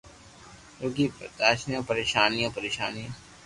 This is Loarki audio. رگي پرآݾونيو ھي پريݾونيون